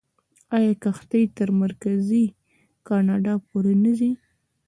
آیا کښتۍ تر مرکزي کاناډا پورې نه راځي؟